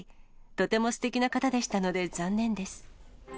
とてもすてきな方でしたので残念です。